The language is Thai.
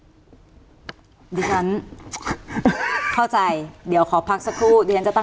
ดิฉันเข้าใจเดี๋ยวขอพักสักครู่เดี๋ยวฉันจะตั้ง